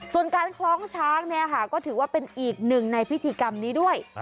ส่วนการคล้องช้างเนี่ยค่ะก็ถือว่าเป็นอีกหนึ่งในพิธีกรรมนี้ด้วย